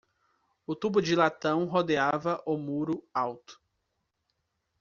O tubo de latão rodeava o muro alto.